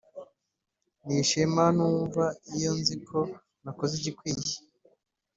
ni ishema numva iyo nzi ko yakoze igikwiye.